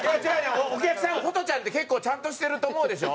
お客さんホトちゃんって結構ちゃんとしてると思うでしょ？